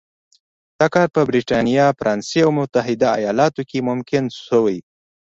دا کار په برېټانیا، فرانسې او متحده ایالتونو کې ممکن شوی.